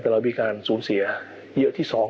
แต่เรามีการสูญเสียเยอะที่๒